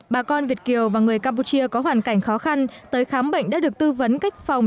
bà con việt kiều và người campuchia có hoàn cảnh khó khăn tới khám bệnh đã được tư vấn cách phòng